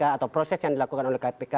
atau proses yang dilakukan oleh kpk